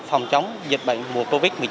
phòng chống dịch bệnh mùa covid một mươi chín